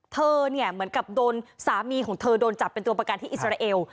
เธอเนี่ยเหมือนกับโดนสามีของเธอโดนจับเป็นตัวประกันที่อิสราเอล